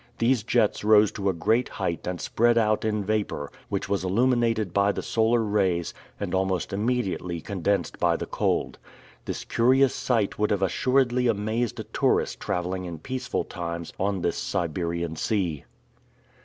These jets rose to a great height and spread out in vapor, which was illuminated by the solar rays, and almost immediately condensed by the cold. This curious sight would have assuredly amazed a tourist traveling in peaceful times on this Siberian sea.